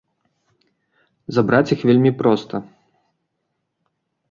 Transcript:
Забраць іх вельмі проста.